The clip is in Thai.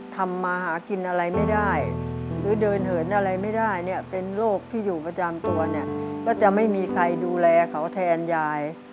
ทำมาหากินอะไรไม่ได้หรือเดินเหินอะไรไม่ได้เนี่ยเป็นโรคที่อยู่ประจำตัวเนี่ยก็จะไม่มีใครดูแลเขาแทนยาย